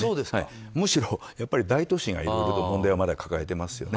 むしろ大都市がいろいろと問題をまだ抱えてますよね。